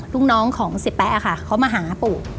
ลูกน้องของเสียแป๊ะค่ะเขามาหาปู่